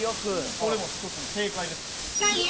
これも一つの正解です。